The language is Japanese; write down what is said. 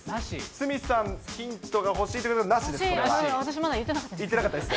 鷲見さん、ヒントが欲しいということですが、なしです。